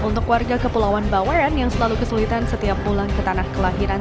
untuk warga kepulauan baweran yang selalu kesulitan setiap pulang ke tanah kelahiran